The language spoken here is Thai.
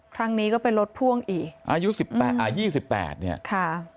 ครั้งนี้ก็เป็นรถพ่วงอีกอายุสิบแปดอ่ายี่สิบแปดเนี่ยค่ะ